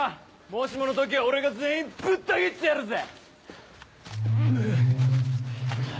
もしもの時は俺が全員ぶった斬ってやるぜ！